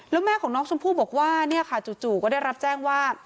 แล้วแม่ของน้องชมพู่บอกว่าเนี่ยค่ะจู่ก็ได้รับแจ้งว่า